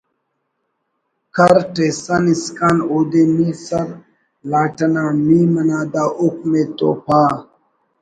کر Tyson scan Uday نی سر لاٹ انا میم انا دا حکم ءِ تو پا